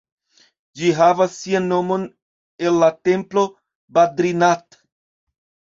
Ĝi havas sian nomon el la templo Badrinath.